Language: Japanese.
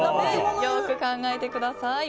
よく考えてください。